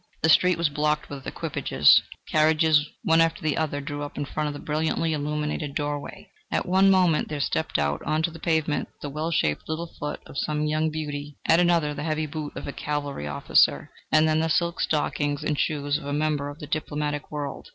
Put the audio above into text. The street was blocked with equipages; carriages one after the other drew up in front of the brilliantly illuminated doorway. At one moment there stepped out on to the pavement the well shaped little foot of some young beauty, at another the heavy boot of a cavalry officer, and then the silk stockings and shoes of a member of the diplomatic world.